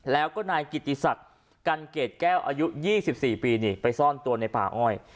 แล้วก็นายกิติศักดิ์กันเกรดแก้วอายุ๒๔ปีนี่ไปซ่อนตัวในป่าอ้อย